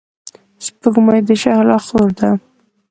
سپوږمۍ د شهلا خور ده.